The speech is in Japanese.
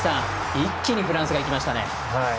一気にフランスが行きましたね。